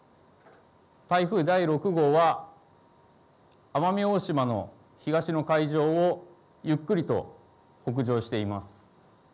台風第６号は奄美大島の東の海上をゆっくりと北上しています。